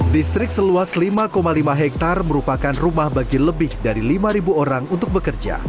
distrik seluas lima lima hektare merupakan rumah bagi lebih dari lima orang untuk bekerja